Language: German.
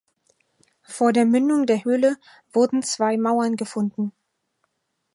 Vor der Mündung der Höhle wurden zwei Mauern gefunden.